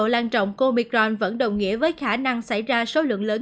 tốc độ lan trọng của omicron vẫn đồng nghĩa với khả năng xảy ra số lượng lớn